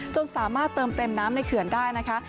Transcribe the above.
จนสามารถเติมเต็มน้ำในเขื่อนได้นะคะ